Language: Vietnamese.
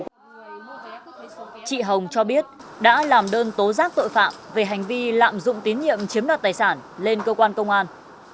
chị hồng cho biết đã làm đơn tố giác tội phạm về hành vi lạm dụng tín nhiệm chiếm đoạt tài sản lên cơ quan công an